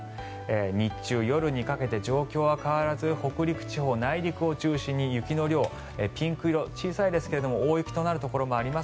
日中、夜にかけて状況は変わらず北陸地方、内陸を中心に雪の量ピンク色、小さいですが大雪になる可能性があります。